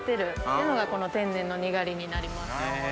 いうのがこの天然のにがりになります。